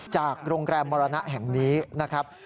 จากโรงแรมมรณะแห่งนี้นะครับ